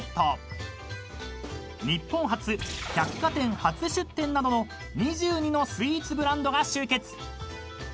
［日本初百貨店初出店などの２２のスイーツブランドが集結］